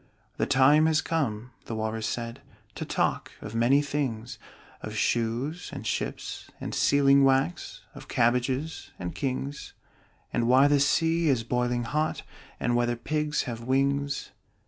"The time has come," the Walrus said, "To talk of many things: Of shoes and ships and sealing wax Of cabbages and kings And why the sea is boiling hot And whether pigs have wings."